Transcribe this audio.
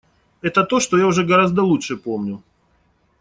Это то, что я уже гораздо лучше помню.